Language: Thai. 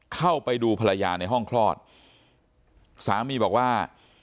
เข้าไปดูภรรยาในห้องคลอดสามีบอกว่า